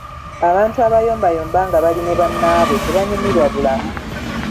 Abantu abayombayomba nga bali ne bannaabwe tebanyumirwa bulamu.